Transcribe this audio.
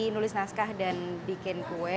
nulis naskah dan bikin kue